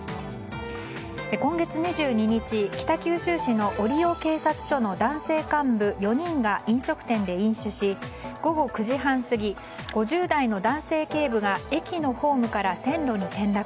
今月２２日、北九州市の折尾警察署の男性幹部４人が飲食店で飲酒し午後９時半過ぎ５０代の男性警部が駅のホームから線路に転落。